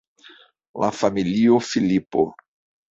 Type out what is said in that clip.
La familio Filipo.